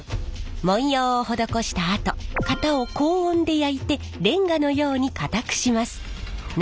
文様を施したあと型を高温で焼いてレンガのように固くします。